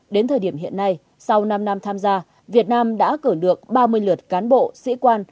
đến thời điểm hiện nay sau năm năm tham gia việt nam đã cử được ba mươi lượt cán bộ sĩ quan